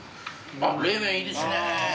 冷麺いいですね！